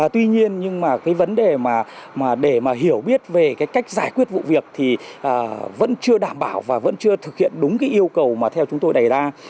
tuy nhiên vấn đề để hiểu biết về cách giải quyết vụ việc thì vẫn chưa đảm bảo và vẫn chưa thực hiện đúng yêu cầu mà theo chúng tôi đẩy ra